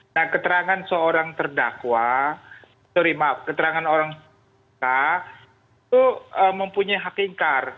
nah keterangan seorang terdakwa sorry maaf keterangan orang terdakwa itu mempunyai hakingkar